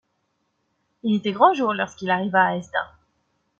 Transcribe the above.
Il était grand jour lorsqu’il arriva à Hesdin.